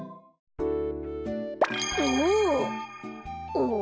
おお！